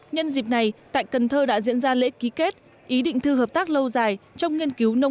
nhân dịp này tại cần thơ đã diễn ra lễ ký kết ý định thư hợp tác lâu dài trong nghiên cứu